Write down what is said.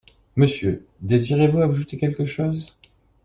Monsieur, désirez-vous ajouter quelque chose?